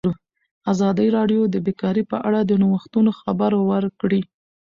ازادي راډیو د بیکاري په اړه د نوښتونو خبر ورکړی.